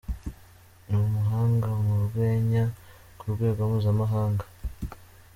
Ni umuhanga mu rwenya ku rwego mpuzamahanga.